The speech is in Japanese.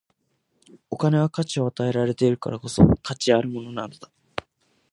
お金は価値を与えられているからこそ、価値あるものなのだ。